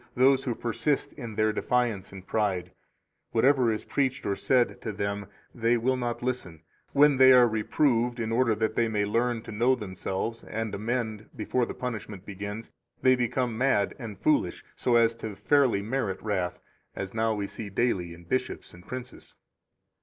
those who persist in their defiance and pride; whatever is preached or said to them, they will not listen; when they are reproved, in order that they may learn to know themselves and amend before the punishment begins, they become mad and foolish so as to fairly merit wrath, as now we see daily in bishops and princes.